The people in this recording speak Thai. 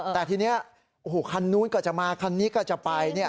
แต่ทีนี้โอ้โหคันนู้นก็จะมาคันนี้ก็จะไป